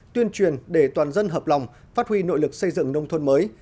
tuyên truyền để toàn dân hợp lòng phát huy nội lực xây dựng nông thôn mới